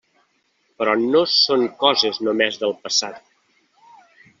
Però no són coses només del passat.